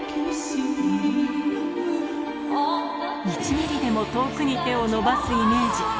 １ミリでも遠くに手を伸ばすイメージ